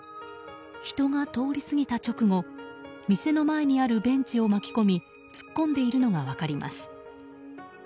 人が通り過ぎた直後店の前にあるベンチを巻き込み突っ込んでいるのが分かります。